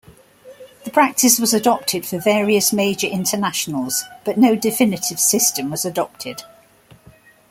The practice was adopted for various major internationals but no definitive system was adopted.